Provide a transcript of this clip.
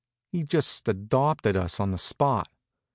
He just adopted us on the spot.